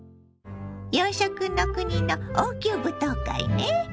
洋食の国の王宮舞踏会ね。